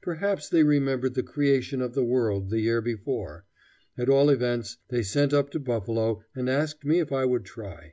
Perhaps they remembered the creation of the world the year before. At all events, they sent up to Buffalo and asked me if I would try.